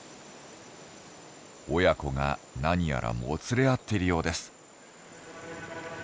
親子が何やらもつれ合っているようです。